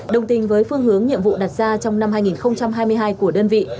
đồng tình với phương hướng nhiệm vụ đặt ra trong năm hai nghìn hai mươi hai của đơn vị